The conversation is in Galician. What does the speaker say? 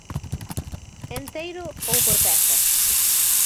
Enteiro ou por pezas?